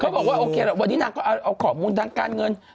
เขาบอกว่าโอเควันนี้นางก็เอาขอบคุณทางการเงิน